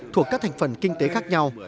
thuộc các thành phần kinh tế khác nhau